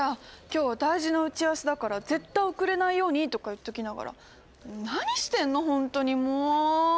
「今日は大事な打ち合わせだから絶対遅れないように」とか言っときながら何してんの本当にもう！